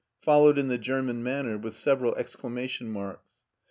! I followed in the German manner with several exclama tion marks.